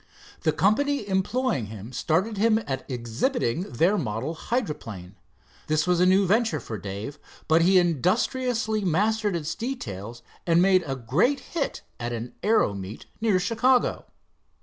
The company employing him started him at exhibiting their model hydroplane. This was a new venture for Dave, but he industriously mastered its details and made a great hit at an aero meet near Chicago.